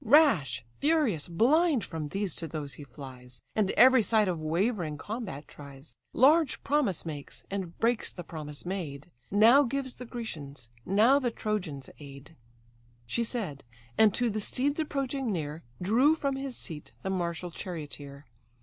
Rash, furious, blind, from these to those he flies, And every side of wavering combat tries; Large promise makes, and breaks the promise made: Now gives the Grecians, now the Trojans aid." She said, and to the steeds approaching near, Drew from his seat the martial charioteer.